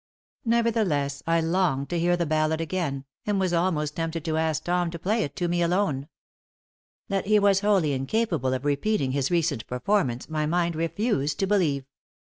Nevertheless, I longed to hear the ballad again, and was almost tempted to ask Tom to play it to me alone. That he was wholly incapable of repeating his recent performance, my mind refused to believe.